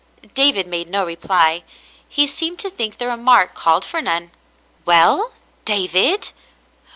David made no reply. He seemed to think the remark called for none. " Well, David